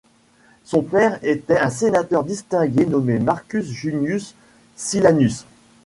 Son père était un sénateur distingué nommé Marcus Junius Silanus.